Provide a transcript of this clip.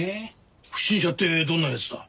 不審者ってどんなやつだ？